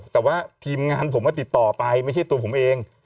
แต่ว่าทีมงานผมก็ติดต่อไปไม่ใช่ตัวผมเอง